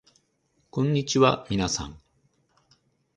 こんにちはみなさん